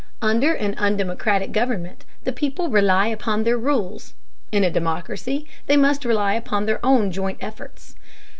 Under an undemocratic government the people rely upon their rulers; in a democracy they must rely upon their own joint efforts.